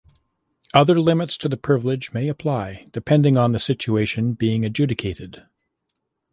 Other limits to the privilege may apply depending on the situation being adjudicated.